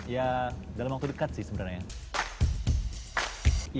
ya dalam waktu dekat sih sebenarnya